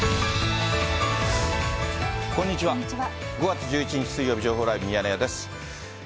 ５月１１日水曜日、情報ライブミヤネ屋です。